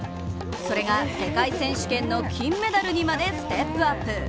それが世界選手権の金メダルにまでステップアップ。